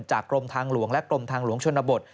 กรมทางหลวงและกรมทางหลวงชนบท